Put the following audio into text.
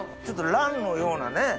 ちょっとランのようなね。